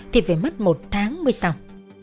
thì phải mất một tháng mới sọc